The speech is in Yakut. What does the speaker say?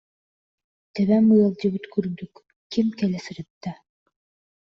Төбөм ыалдьыбыт курдук, ким кэлэ сырытта